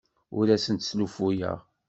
Ur asent-sslufuyeɣ.